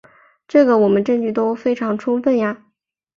这个我们证据都非常充分呀。